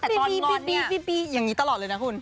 แต่ตอนงอนเนี่ยยังงี้ตลอดเลยนะคุณ